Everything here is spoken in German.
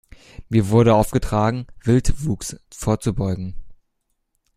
Mir wurde aufgetragen, Wildwuchs vorzubeugen.